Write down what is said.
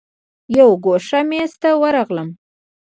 یو ګوښه میز ته ورغلم.